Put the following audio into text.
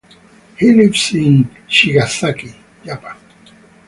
He lives in Chigasaki, Japan.